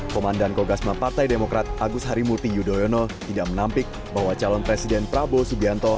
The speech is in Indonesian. komandan kogasma partai demokrat agus harimurti yudhoyono tidak menampik bahwa calon presiden prabowo subianto